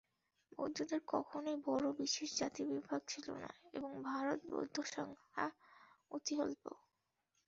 বৌদ্ধদের কখনই বড় বিশেষ জাতিবিভাগ ছিল না, এবং ভারতে বৌদ্ধসংখ্যা অতি অল্প।